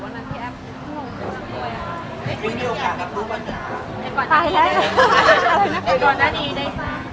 คุณไม่ได้คุย